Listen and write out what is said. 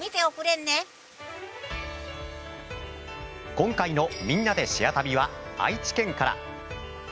今回の「みんなでシェア旅」は愛知県から。